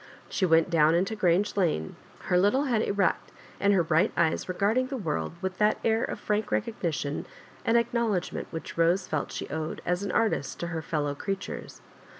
She went down into Grange Lane, her little head erect, and her bright eyes regard ing the world with that air of frank recognition and acknowledgment which Bose felt she owed as an artist to her fellow creatures.